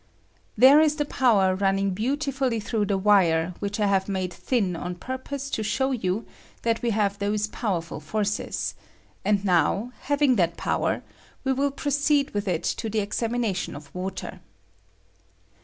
] There is the power running beauti fully through the wire, which I have made thin on purpose to show you that we have those powerful forces; and now, having that power, 9 will proceed with it to the examination of water.